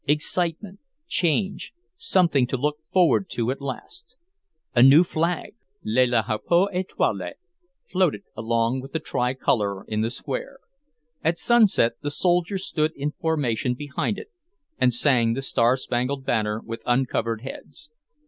excitement, change, something to look forward to at last! A new flag, le drapeau étoilé, floated along with the tricolour in the square. At sunset the soldiers stood in formation behind it and sang "The Star Spangled Banner" with uncovered heads.